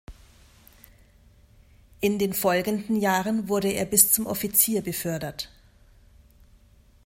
In den folgenden Jahren wurde er bis zum Offizier befördert.